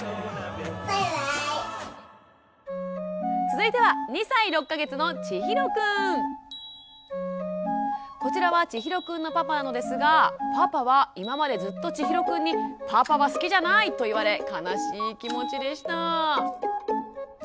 続いてはこちらはちひろくんのパパなのですがパパは今までずっとちひろくんにと言われ悲しい気持ちでした。